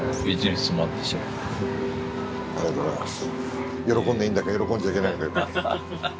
ありがとうございます。